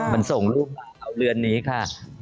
มันส่งรูปเรือนนี้ค่ะ